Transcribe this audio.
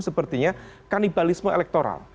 sepertinya kanibalisme elektoral